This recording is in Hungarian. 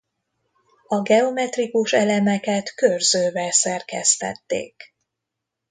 A geometrikus elemeket körzővel szerkesztették.